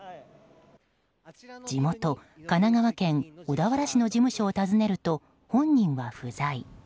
地元・神奈川県小田原市の事務所を訪ねると本人は不在。